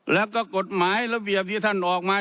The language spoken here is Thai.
แล้วก็กฎหมายระเบียบที่ท่านออกมา